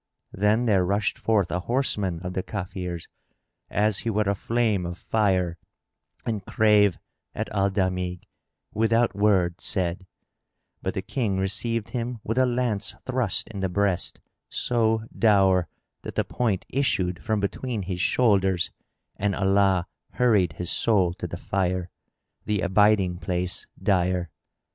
Then there rushed forth a horseman of the Kafirs, as he were a flame of fire, and drave at Al Damigh, without word said; but the King received him with a lance thrust in the breast so dour that the point issued from between his shoulders and Allah hurried his soul to the fire, the abiding place dire.